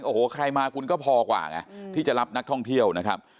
โอ้โหใครมาคุณก็พอกว่าไงที่จะรับนักท่องเที่ยวนะครับ